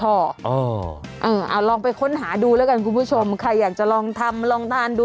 เอาลองไปค้นหาดูแล้วกันคุณผู้ชมใครอยากจะลองทำลองทานดู